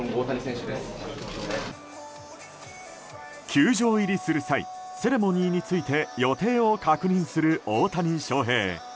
球場入りする際セレモニーについて予定を確認する大谷翔平。